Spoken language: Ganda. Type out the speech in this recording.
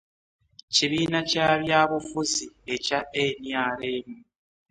Kibiina kya bya bufuzi ekya NRM